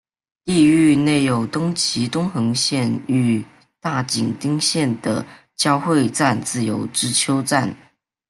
地域内有东急东横线与大井町线的交会站自由之丘站。